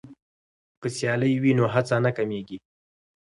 که سیالي وي نو هڅه نه کمېږي.